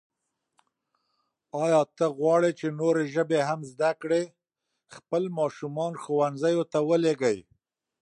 آیا ته غواړې چې نورې ژبې هم زده کړې؟ خپل ماشومان ښوونځیو ته ولېږئ.